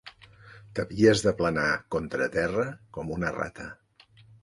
T'havies d'aplanar contra terra com una rata